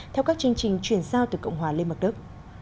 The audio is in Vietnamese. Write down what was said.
theo các chương trình chuyển giao từ cộng hòa lên mặt đất